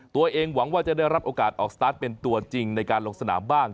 หวังว่าจะได้รับโอกาสออกสตาร์ทเป็นตัวจริงในการลงสนามบ้าง